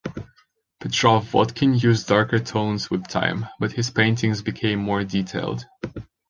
Petrov-Vodkin used darker tones with time, but his paintings became more detailed.